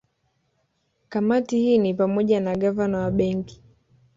Kamati hii ni pamoja na Gavana wa Benki